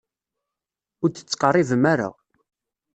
Ur d-ttqerribem ara.